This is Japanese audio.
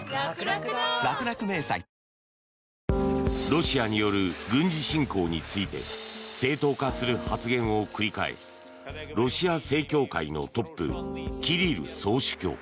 ロシアによる軍事侵攻について正当化する発言を繰り返すロシア正教会のトップキリル総主教。